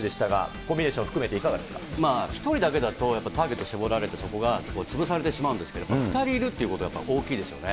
コンビネーション、含めてどうで１人だけだと、ターゲット絞られてそこが潰されてしまうんですけど、２人いるっていうことは大きいでしょうね。